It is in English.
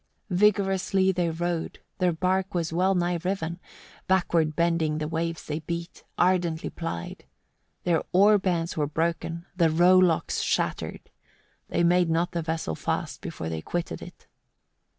35. Vigorously they rowed, their bark was well nigh riven; backward bending the waves they beat, ardently plied: their oar bands were broken, the rowlocks shattered. They made not the vessel fast before they quitted it.